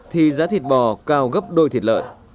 thì giá thịt bò cao gấp đôi thịt lợi